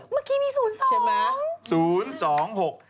เมื่อกี้มี๐๒ใช่ไหม